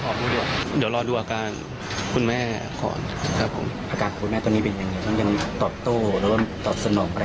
มันต่อโต้และต่อสนองไป